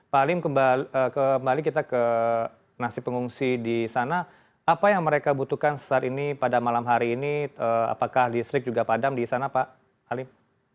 pak alim kembali kita ke nasib pengungsi di sana apa yang mereka butuhkan saat ini pada malam hari ini apakah listrik juga padam di sana pak alim